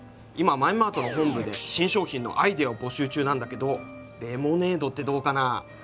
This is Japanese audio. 今マエマートの本部で新商品のアイデアを募集中なんだけどレモネードってどうかな？